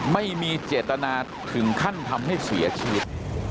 ไม่มีเจตนาถึงขั้นทำให้เสียชีวิต